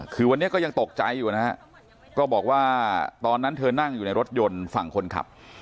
คือวันนี้ก็ยังตกใจอยู่นะฮะก็บอกว่าตอนนั้นเธอนั่งอยู่ในรถยนต์ฝั่งคนขับ